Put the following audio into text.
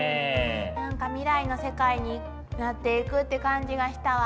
なんか未来の世界になっていくって感じがしたわ。